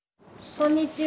こんにちは。